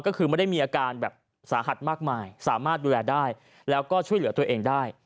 ก็คือไม่ได้มีอาการแบบสาหัสมากมายสามารถดูแลได้แล้วก็ช่วยเหลือตัวเองได้